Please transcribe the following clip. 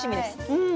うん！